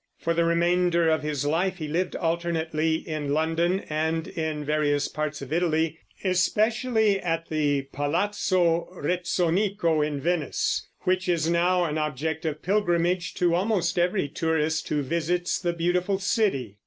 For the remainder of his life he lived alternately in London and in various parts of Italy, especially at the Palazzo Rezzonico, in Venice, which is now an object of pilgrimage to almost every tourist who visits the beautiful city.